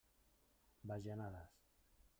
Bajanades.